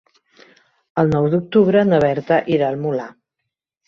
El nou d'octubre na Berta irà al Molar.